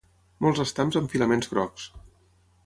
Molts estams amb filaments grocs.